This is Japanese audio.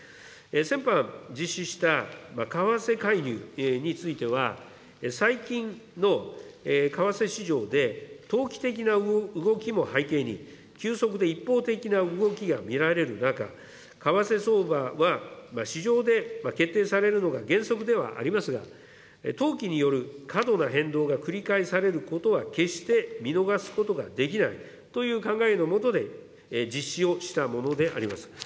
先般実施した為替介入については、最近の為替市場で投機的な動きも背景に、急速で一方的な動きが見られる中、為替相場は市場で決定されるのが原則ではありますが、投機による過度な変動が繰り返されることは決して見逃すことができないという考えのもとで実施をしたものであります。